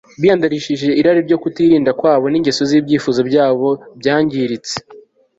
biyandavurishije irari ryo kutirinda kwabo, n'ingeso z'ibyifuzo byabo byangiritse